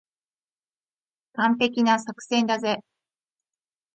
完璧な作戦だぜ。